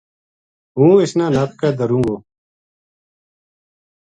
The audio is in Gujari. ہوں اس نا نپ کے دھروں گو